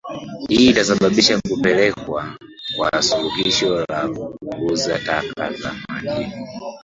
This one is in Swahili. Hii itasababisha kupelekwa kwa suluhisho za kupunguza taka za majini